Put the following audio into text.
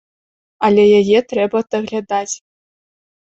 Але яе трэба даглядаць.